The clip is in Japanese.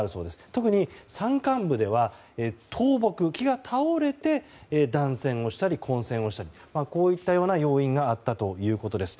特に山間部では倒木、木が倒れて断線をしたり混線をしたりこういった要因があったということです。